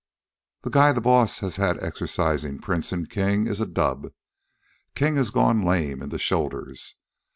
The guy the boss has had exercisin' Prince and King is a dub. King has gone lame in the shoulders.